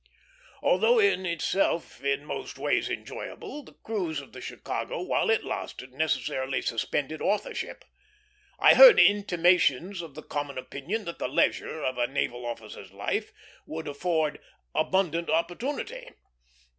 Although in itself in most ways enjoyable, the cruise of the Chicago while it lasted necessarily suspended authorship. I heard intimations of the common opinion that the leisure of a naval officer's life would afford abundant opportunity.